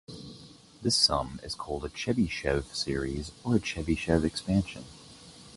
This sum is called a Chebyshev series or a Chebyshev expansion.